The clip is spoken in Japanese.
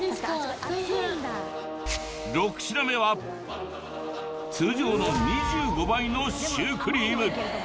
６品目は通常の２５倍のシュークリーム。